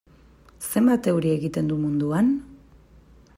Zenbat euri egiten du munduan?